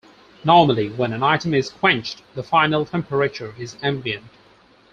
Normally, when an item is quenched, the final temperature is ambient.